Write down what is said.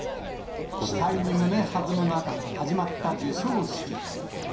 期待に胸はずむ中、始まった授賞式。